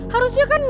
harusnya kan gue